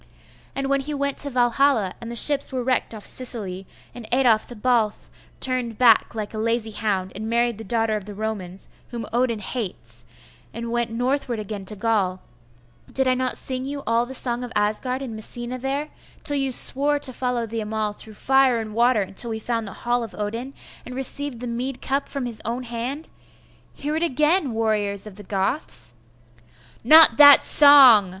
And when he went to Valhalla, and the ships were wrecked off Sicily, and Adolf the Balth turned back like a lazy hound, and married the daughter of the Romans, whom Odin hates, and went northward again to Gaul, did not I sing you all the song of Asgard in Messina there, till you swore to follow the Amal through fire and water until we found the hall of Odin, and received the mead cup from his own hand? Hear it again, warriors of the Goths!' 'Not that song!